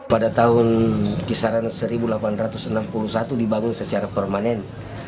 pada tahun kisaran seribu delapan ratus enam puluh satu dibangun secara permanen